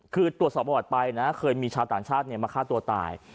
คือตรวจสอบประวัติไปนะเคยมีชาวต่างชาติมาฆ่าตัวตาย